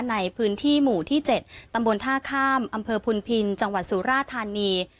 ในพื้นที่หมู่ที่๗ตำบลท่าข้ามอำเภอพุนพินจังหวัดสุราธานี